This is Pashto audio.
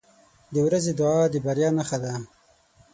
• د ورځې دعا د بریا نښه ده.